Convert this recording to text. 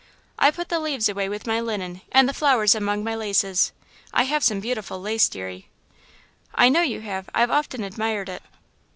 I put the leaves away with my linen and the flowers among my laces. I have some beautiful lace, deary." "I know you have I've often admired it."